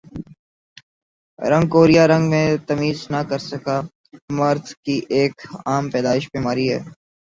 رنگ کور یا رنگ میں تمیز نہ کر سکہ مرد کی ایک عام پیدائش بیماری ہے